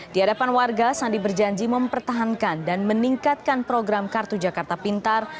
di hadapan warga sandi berjanji mempertahankan dan meningkatkan program kartu jakarta pintar